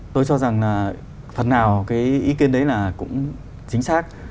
tôi cho rằng là phần nào cái ý kiến đấy là cũng chính xác